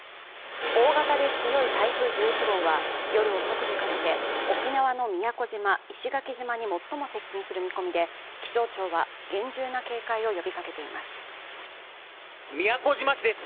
大型で強い台風１１号は、夜遅くにかけて沖縄の宮古島、石垣島に最も接近する見込みで気象庁は厳重な警戒を呼びかけています。